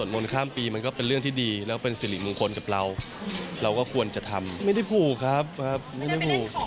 ไม่ได้ผูกไม่ได้เป็นของของงานใช่ไหมวิทยาลัย